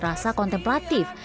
aku akan berubah